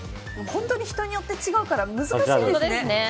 本当に人によって違うから難しいですね。